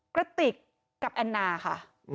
กระติกกับแอนนาค่ะ